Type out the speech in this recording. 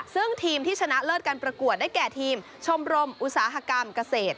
ซึ่งทีมที่ชนะเลิศการประกวดได้แก่ทีมชมรมอุตสาหกรรมเกษตร